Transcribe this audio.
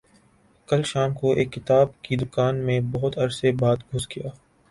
کل شام کو ایک کتاب کی دکان میں بہت عرصہ بعد گھس گیا